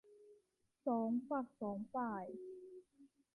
สองฝักสองฝ่าย